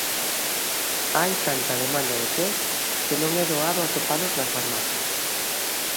Hai tanta demanda de test, que non é doado atopalos nas farmacias.